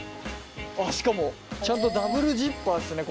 あっしかもちゃんとダブルジッパーっすね